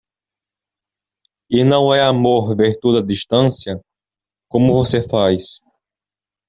E não é amor ver tudo à distância? como você faz.